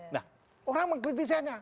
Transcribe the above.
nah orang mengkritisanya